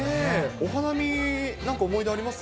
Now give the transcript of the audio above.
お花見なんか思い出あります？